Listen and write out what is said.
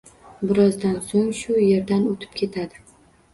Birozdan soʻng shu yerdan oʻtib ketdi.